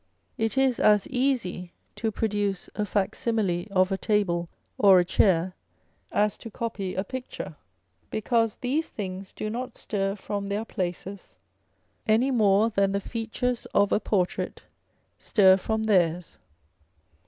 It is as easy to produce a fac shnile of a table or a chair as to copy a picture, because these things do not stir from their places any more than the features of a portrait stir fro"m theirs.